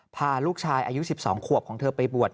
พาลูกชายอายุ๑๒ขวบของเธอไปบวช